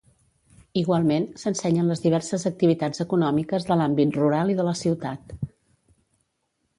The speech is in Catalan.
Igualment, s'ensenyen les diverses activitats econòmiques de l'àmbit rural i de la ciutat.